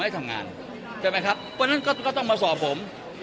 ทุกคนก็ต้องมาสอบผม